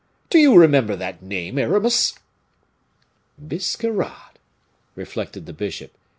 Do you remember that name, Aramis?" "Biscarrat!" reflected the bishop.